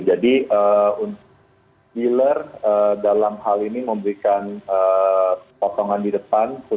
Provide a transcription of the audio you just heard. jadi dealer dalam hal ini memberikan posongan di depan